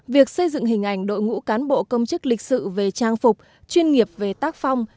việc xây dựng hình ảnh đội ngũ cán bộ công chức lịch sử về trang phục chuyên nghiệp về tác phong